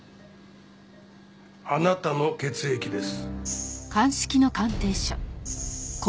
あなたの血液です。